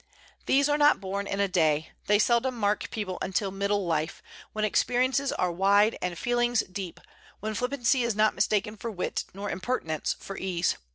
These are not born in a day; they seldom mark people till middle life, when experiences are wide and feelings deep, when flippancy is not mistaken for wit, nor impertinence for ease.